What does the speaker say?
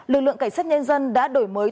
lực lượng cảnh sát nhân dân đã đổi mới